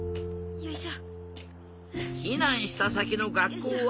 よいしょ。